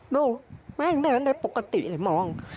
แม่ยังเดินได้ปกติเลยมอง